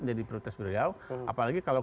menjadi protes beliau apalagi kalau